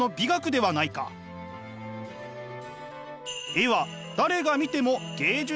絵は誰が見ても芸術作品。